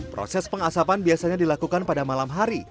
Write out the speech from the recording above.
proses pengasapan biasanya dilakukan pada malam hari